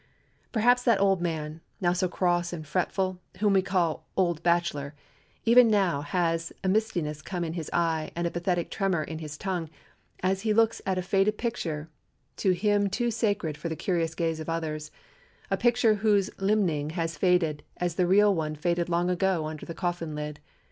Perhaps that old man, now so cross and fretful, whom we call "old bachelor," even now has a mistiness come in his eye and a pathetic tremor in his tongue as he looks at a faded picture, to him too sacred for the curious gaze of others—a picture whose limning has faded as the real one faded long ago under the coffin lid.